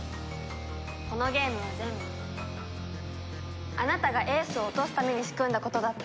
このゲームは全部あなたが英寿を落とすために仕組んだことだって。